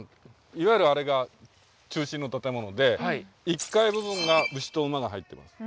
いわゆるあれが中心の建物で１階部分が牛と馬が入っています。